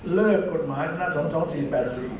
เลิกกฎหมายธรรมนาธิ์๒๒๔๘๔